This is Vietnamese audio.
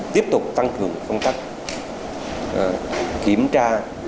tiếp tục tăng cường công tác kiểm tra